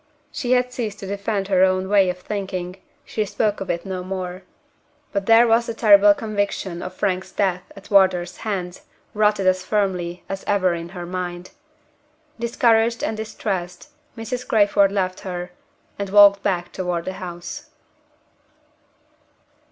She had ceased to defend her own way of thinking, she spoke of it no more but there was the terrible conviction of Frank's death at Wardour's hands rooted as firmly as ever in her mind! Discouraged and distressed, Mrs. Crayford left her, and walked back toward the house.